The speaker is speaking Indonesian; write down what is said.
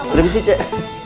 udah bisa cek